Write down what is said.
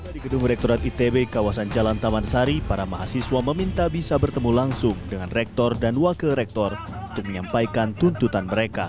di gedung rektorat itb kawasan jalan taman sari para mahasiswa meminta bisa bertemu langsung dengan rektor dan wakil rektor untuk menyampaikan tuntutan mereka